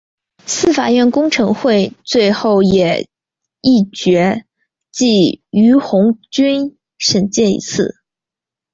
司法院公惩会最后也议决记俞鸿钧申诫一次。